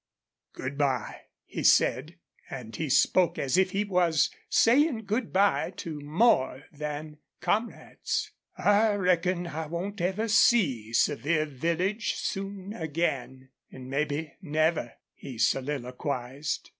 "Good by," he said, and he spoke as if he was saying good by to more than comrades. "I reckon I won't see Sevier Village soon again an' maybe never," he soliloquized.